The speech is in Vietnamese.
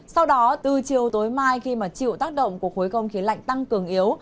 sau đó từ chiều tối mai khi mà chịu tác động của khối không khí lạnh tăng cường yếu